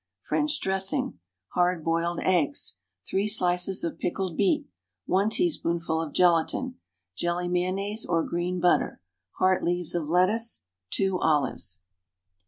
French dressing. Hard boiled eggs. 3 slices of pickled beet. 1 teaspoonful of gelatine. Jelly mayonnaise, or green butter. Heart leaves of lettuce. 2 olives.